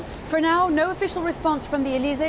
sekarang tidak ada respon ofisial dari elise